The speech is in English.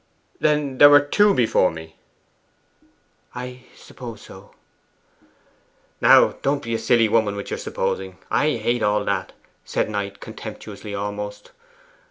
'Then there were two before me? 'I suppose so.' 'Now, don't be a silly woman with your supposing I hate all that,' said Knight contemptuously almost.